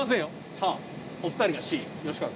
さあお二人が「Ｃ」吉川君。